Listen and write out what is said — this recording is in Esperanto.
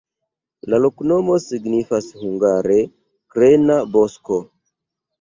La loknomo signifas hungare: krena-bosko.